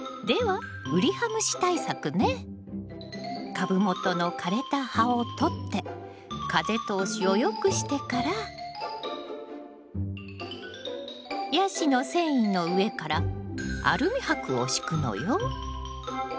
株元の枯れた葉を取って風通しを良くしてからヤシの繊維の上からアルミ箔を敷くのよ。